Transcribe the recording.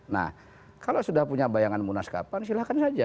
nah kalau sudah punya bayangan munas kapan silahkan saja